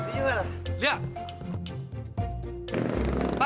nyusih ga lah